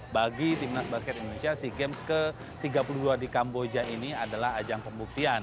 bagi timnas basket indonesia sea games ke tiga puluh dua di kamboja ini adalah ajang pembuktian